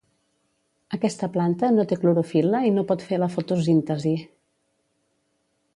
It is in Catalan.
Aquesta planta no té clorofil·la i no pot fer la fotosíntesi.